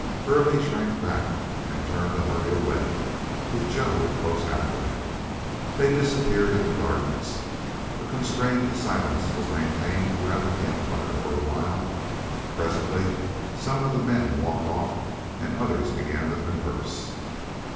Hurley shrank back, and turned to hurry away, with Joe close after him. They disappeared in the darkness. A constrained silence was maintained around the camp fire for a while. Presently some of the men walked off and others began to converse.